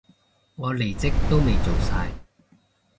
我離職都未做晒